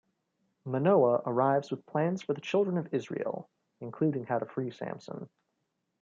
Manoah arrives with plans for the children of Israel, including how to free Samson.